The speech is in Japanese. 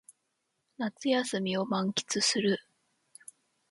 夏休みを満喫する